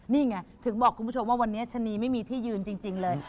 นี่ไงถึงบอกคุณผู้ชมว่าวันนี้ชะนีไม่มีที่ยืนจริงเลย